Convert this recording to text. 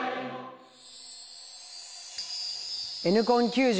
「Ｎコン９０」。